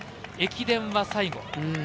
駅伝は最後。